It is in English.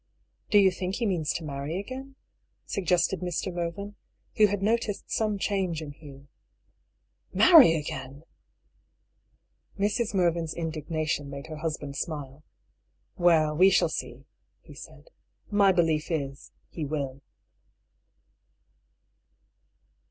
" Do you think he means to marry again ?" sug gested Mr. Mervyn, who had noticed some change in Hugh. " Marry again !" Mrs. Mervyn's indignation made her husband smile. " Well, we shall see," he said. " My belief is, he will."